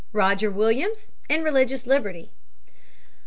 Roger Williams and Religious Liberty.